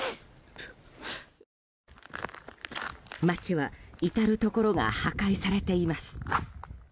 街は至るところが破壊されています。